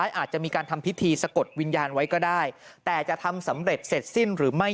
หลังจากพบศพผู้หญิงปริศนาตายตรงนี้ครับ